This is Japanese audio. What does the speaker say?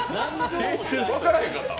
分からへんかった？